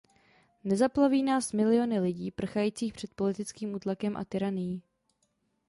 Nezaplaví nás miliony lidí prchajících před politickým útlakem a tyranií.